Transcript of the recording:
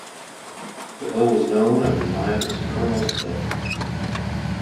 The hill was known at the time as "Colonel's Hill".